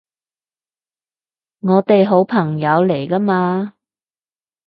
我哋好朋友嚟㗎嘛